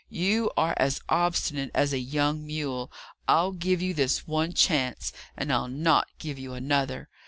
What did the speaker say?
You are as obstinate as a young mule. I'll give you this one chance, and I'll not give you another.